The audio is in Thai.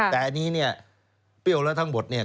แต่อันนี้เนี่ยเปรี้ยวแล้วทั้งหมดเนี่ย